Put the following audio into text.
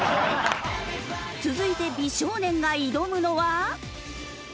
続いて美少年が挑むのは。